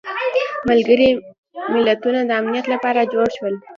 ملګري ملتونه د امنیت لپاره جوړ شول.